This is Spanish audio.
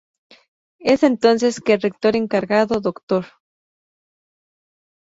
Es entonces que el Rector encargado, Dr.